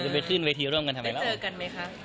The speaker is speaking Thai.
ไปขึ้นเวทีร่วมกันทำไมแล้วเจอกันไหมคะ